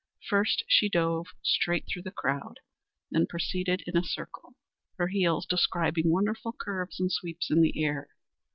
First she dove straight through the crowd, then proceeded in a circle, her heels describing wonderful curves and sweeps in the air.